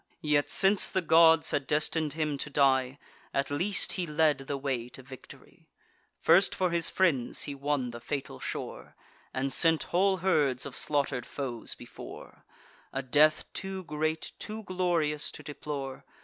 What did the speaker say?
Yet, since the gods had destin'd him to die, At least he led the way to victory: First for his friends he won the fatal shore, And sent whole herds of slaughter'd foes before; A death too great, too glorious to deplore.